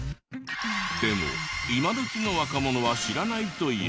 でも今どきの若者は知らないという。